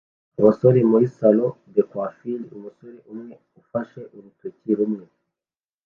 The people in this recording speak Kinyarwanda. abasore muri salon de coiffure umusore umwe ufashe urutoki rumwe